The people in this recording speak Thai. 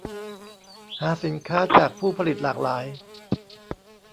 หาสินค้าจากผู้ผลิตหลากหลาย